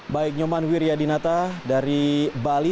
baik nyoman wiryadinata dari bali